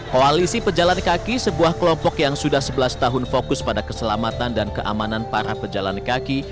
koalisi pejalan kaki sebuah kelompok yang sudah sebelas tahun fokus pada keselamatan dan keamanan para pejalan kaki